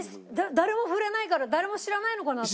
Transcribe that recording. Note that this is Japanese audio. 誰も触れないから誰も知らないのかなと。